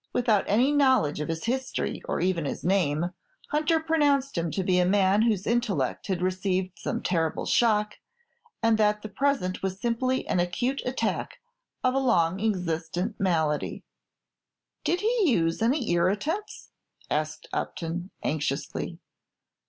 Without any knowledge of his history or even of his name, Hunter pronounced him to be a man whose intellect had received some terrible shock, and that the present was simply an acute attack of a long existent malady." "Did he use any irritants?" asked Upton, anxiously.